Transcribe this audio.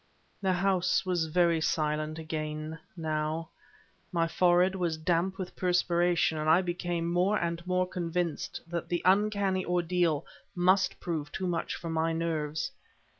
The house was very silent again, now. My forehead was damp with perspiration, and I became more and more convinced that the uncanny ordeal must prove too much for my nerves.